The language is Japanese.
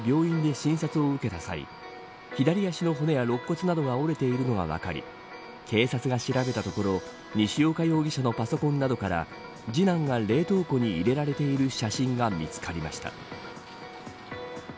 去年８月次男が病院で診察を受けた際左足の骨や、ろっ肋骨などが折れているのが分かり警察が調べたところ西岡容疑者のパソコンなどから次男が冷凍庫に入れられている写真が見つかりました。